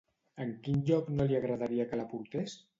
En quin lloc no li agradaria que la portés?